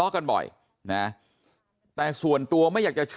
แล้วก็ยัดลงถังสีฟ้าขนาด๒๐๐ลิตร